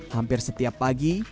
hampir setiap pagi